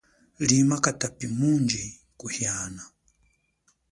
Lima katapi mundji kuhiana.